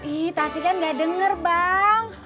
ih tapi kan gak denger bang